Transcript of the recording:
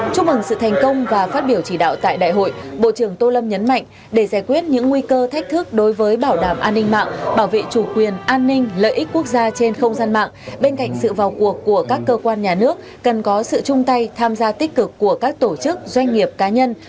chúc mừng sự thành công và phát biểu chỉ đạo tại đại hội bộ trưởng tô lâm nhấn mạnh để giải quyết những nguy cơ thách thức đối với bảo đảm an ninh mạng bảo vệ chủ quyền an ninh lợi ích quốc gia trên không gian mạng bên cạnh sự vào cuộc của các cơ quan nhà nước cần có sự chung tay tham gia tích cực của các tổ chức doanh nghiệp cá nhân